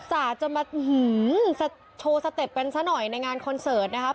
อาจจะมาโชว์สเต็ปกันซะหน่อยในงานคอนเสิร์ตนะครับ